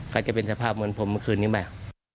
ก็จะเป็นสภาพเหมือนผมเมื่อคืนนี้แม่